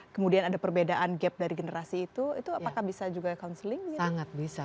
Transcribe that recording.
kemudian ada perbedaan gap dari generasi itu itu apakah bisa juga counseling bisa